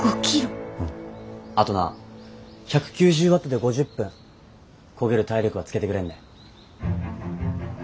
あとな１９０ワットで５０分こげる体力ばつけてくれんね。